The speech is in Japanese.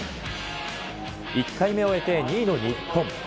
１回目を終えて２位の日本。